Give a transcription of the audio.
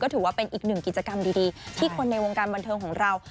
ถือว่าเป็นอีกหนึ่งกิจกรรมดีที่คนในวงการบันเทิงของเรา